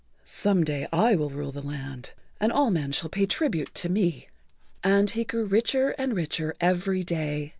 "Some day I will rule the land and all men shall pay tribute to me." And he grew richer and richer every day.